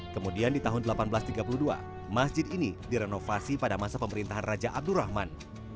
kemudian di tahun seribu delapan ratus tiga puluh dua masjid ini direnovasi pada masa pemerintahan raja abdurrahman